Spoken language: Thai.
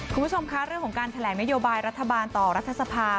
คุณผู้ชมคะเรื่องของการแถลงนโยบายรัฐบาลต่อรัฐสภา